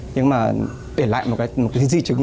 nhưng mà để lại một cái di chứng